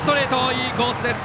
いいコースです。